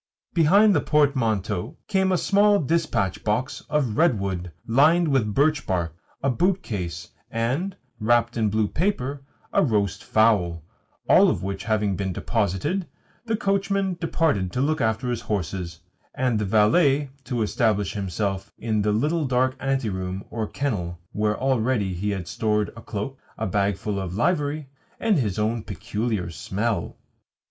Behind the portmanteau came a small dispatch box of redwood, lined with birch bark, a boot case, and (wrapped in blue paper) a roast fowl; all of which having been deposited, the coachman departed to look after his horses, and the valet to establish himself in the little dark anteroom or kennel where already he had stored a cloak, a bagful of livery, and his own peculiar smell.